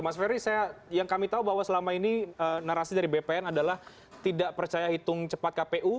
mas ferry yang kami tahu bahwa selama ini narasi dari bpn adalah tidak percaya hitung cepat kpu